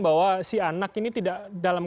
bahwa si anak ini tidak dalam